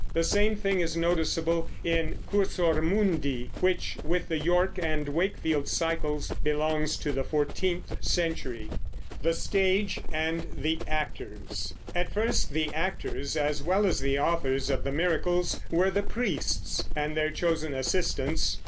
The same thing is noticeable in Cursor Mundi, which, with the York and Wakefield cycles, belongs to the fourteenth century. At first the actors as well as the authors of the Miracles were the priests and their chosen assistants.